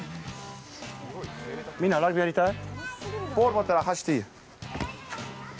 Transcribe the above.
みんなラグビーやりたい？